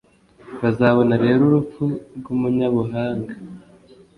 Bazabona rero urupfu rw’umunyabuhanga,